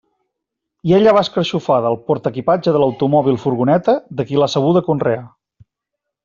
I ella va escarxofada al portaequipatge de l'automòbil furgoneta de qui l'ha sabuda conrear.